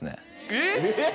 えっ。